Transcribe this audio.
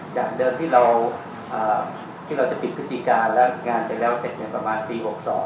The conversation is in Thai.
จากเดิมที่เราจะติดพฤติการและงานจะแล้วเสร็จประมาณปี๖๒